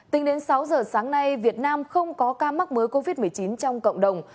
tính đến sáu giờ sáng nay việt nam không có ca mắc mới covid một mươi chín trong cộng đồng